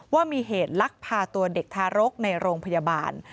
ว่ามีเหตุลักพาตัวเด็กทารกในโรงพยาบาล